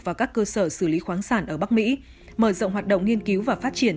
và các cơ sở xử lý khoáng sản ở bắc mỹ mở rộng hoạt động nghiên cứu và phát triển